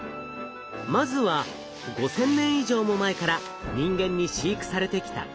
まずは５，０００年以上も前から人間に飼育されてきたカイコ。